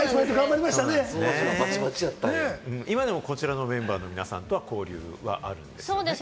今でもこちらのメンバーの皆さんと交流があったりするんです